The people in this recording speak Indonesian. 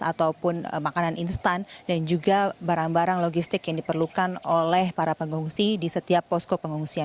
ataupun makanan instan dan juga barang barang logistik yang diperlukan oleh para pengungsi di setiap posko pengungsian